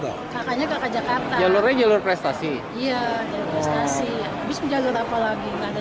kakaknya kakak jakarta jalurnya jalur prestasi iya prestasi habis menjalur apa lagi gak ada